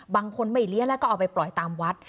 บางคนไม่เลี้ยงแล้วก็เอาไปปล่อยตามวัด